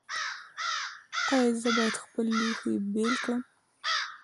ایا زه باید خپل لوښي بیل کړم؟